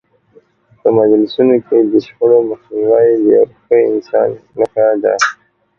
په مجلسونو کې د شخړو مخنیوی د یو ښه انسان نښه ده.